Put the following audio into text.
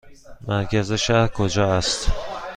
مرکز شهر کجا است؟